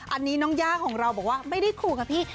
อันนี้น้องยาย่าของเราบอกว่าไม่ได้กลัวค่ะพี่